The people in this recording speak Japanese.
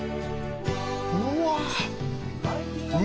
うわ。